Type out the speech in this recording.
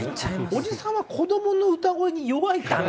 おじさんは子どもの歌声に弱いから。